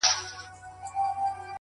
o تا ويل له سره ماله تېره يم خو ـ